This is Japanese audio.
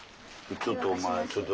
ちょっとお前ちょっと。